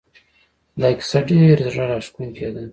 دا کیسه ډېره زړه راښکونکې ده